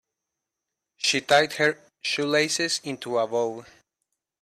She tied her shoelaces into a bow.